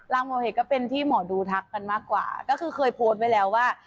หมอเห็ดก็เป็นที่หมอดูทักกันมากกว่าก็คือเคยโพสต์ไว้แล้วว่า